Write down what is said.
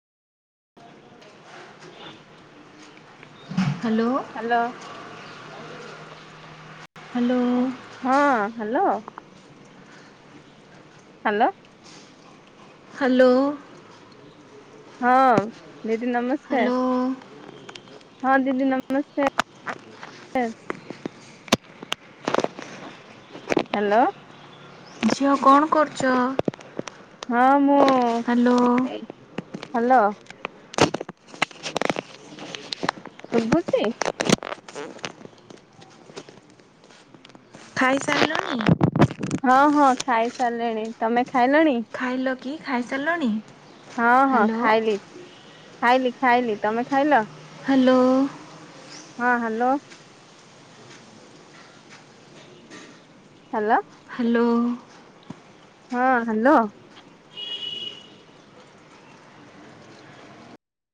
Hello hello. Hello ହଁ hello. Hello hello ହଁ, ଦିଦି ନମସ୍କାର। ହ୍ୟାଲୋ ହଁ, ଦିଦି ନମସ୍କାର। ହାଲୋ। ଝିଅ କଣ କରୁଛ? ହଁ ହାଲୋ। ହାଲୋ। ଶୁଭୁଛି ଖାଇସାରିଲଣି? ହଁ ହଁ ଖାଇ ସାରିଲିଣି, ତମେ ଖାଇଲଣି? ଖାଇଲ କି, ଖାଇସାରିଲଣି? ହଁ ହଁ ହ୍ୟାଲୋ ଖାଇଲି, ଖାଇଲି ଖାଇଲି, ତମେ ଖାଇଲ? ହାଲୋ। ହଁ ହାଲୋ। ହାଲୋ ହାଲୋ ହଁ ହାଲୋ